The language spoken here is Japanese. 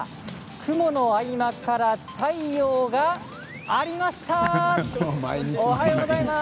雲の合間から太陽があります。